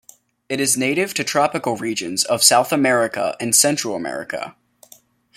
It is native to tropical regions of South America and Central America.